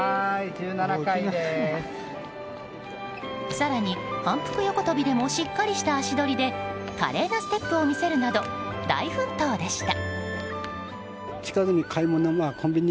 更に反復横跳びでもしっかりした足取りで華麗なステップを見せるなど大奮闘でした。